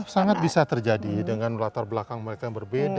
sangat bisa terjadi dengan latar belakang mereka yang berbeda